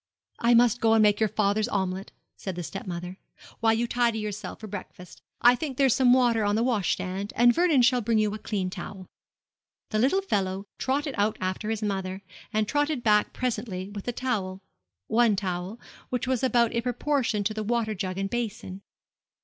'I must go and make your father's omelette,' said the stepmother, 'while you tidy yourself for breakfast. I think there's some water on the washstand, and Vernon shall bring you a clean towel.' The little fellow trotted out after his mother, and trotted back presently with the towel one towel, which was about in proportion to the water jug and basin.